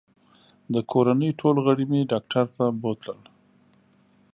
د کورنۍ ټول غړي مې ډاکټر ته بوتلل